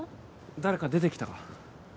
誰か出てきたか？